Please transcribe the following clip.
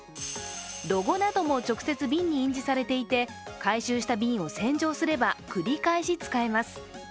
ロゴなども直接、瓶に印字されていて、回収した瓶を洗浄すれば繰り返し使えます。